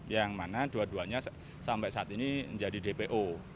yang mana dua duanya sampai saat ini menjadi dpo